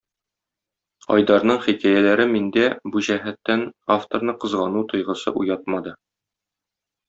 Айдарның хикәяләре миндә, бу җәһәттән, авторны кызгану тойгысы уятмады.